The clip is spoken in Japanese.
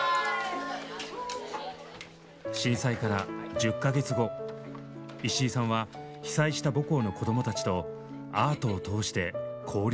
震災から１０か月後石井さんは被災した母校の子供たちとアートを通して交流をはかったのです。